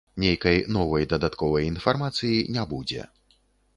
Нейкай новай, дадатковай інфармацыі не будзе.